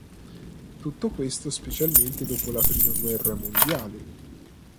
Tutto questo specialmente dopo la prima guerra mondiale.